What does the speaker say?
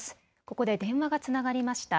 ここで電話がつながりました。